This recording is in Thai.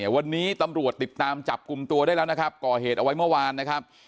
วันนี้ตำรวจติดตามจับกลุ่มตัวได้แล้วนะครับก่อเหตุเอาไว้เมื่อวานนะครับ